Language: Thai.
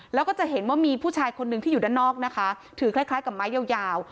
แล้วก็จะเห็นว่ามีผู้ชายคนนึงที่อยู่ด้านนอกนะคะถือคล้ายกับไม้ยาว